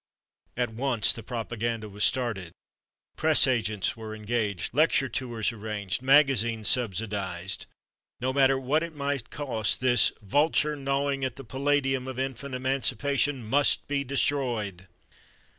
At once the Propaganda was started. Press agents were engaged, lecture tours arranged, magazines subsidized. No matter what it might cost, this "Vulture gnawing at the Palladium of Infant Emancipation" must be destroyed!!